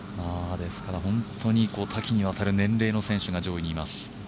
ですから本当に多岐に渡る年齢の選手が上位にいます。